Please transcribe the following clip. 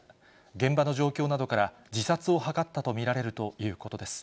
現場の状況などから自殺を図ったと見られるということです。